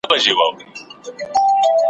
د راژوندي کولو، او د دې خاورې